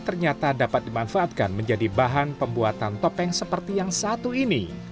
ternyata dapat dimanfaatkan menjadi bahan pembuatan topeng seperti yang satu ini